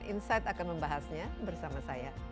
insight akan membahasnya bersama saya